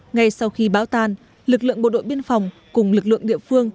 ngay sau khi bão tan lực lượng bộ đội biên phòng cùng lực lượng địa phương